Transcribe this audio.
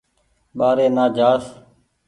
ٻآري نآ جآس